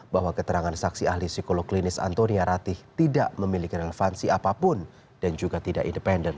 bahwa keterangan saksi ahli psikolog klinis antonia ratih tidak memiliki relevansi apapun dan juga tidak independen